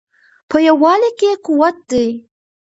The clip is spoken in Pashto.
په یووالي کې قوت دی.